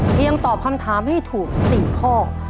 เพียงตอบคำถามให้ทุกคน